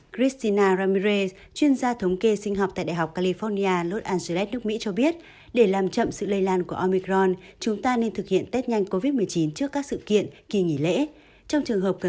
christina ramir chuyên gia thống kê sinh học tại đại học california los angeles nước mỹ cho biết để làm chậm sự lây lan của omicron chúng ta nên thực hiện test nhanh covid một mươi chín trước các sự kiện kỳ nghỉ lễ